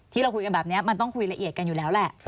ที่เราคุยกันแบบนี้มันต้องคุยละเอียดกันอยู่แล้วแหละ